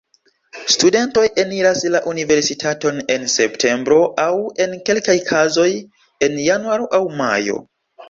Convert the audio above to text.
Studentoj eniras la universitaton en septembro, aŭ, en kelkaj kazoj, en januaro aŭ majo.